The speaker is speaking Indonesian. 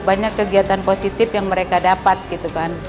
banyak kegiatan positif yang mereka dapat gitu kan